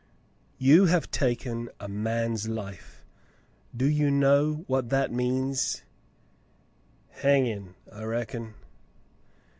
"You have taken a man's life; do you know what that means ^" "Hangin', I reckon."